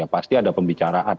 pasti ada pembicaraan